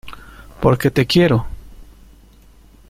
porque te quiero.